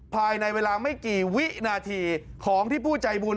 ภายในเวลาไม่กี่วินาทีของที่ผู้ใจบุญ